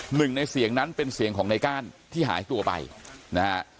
หนึ่งในเสียงนั้นเป็นเสียงของในก้านที่หายตัวไปนะฮะ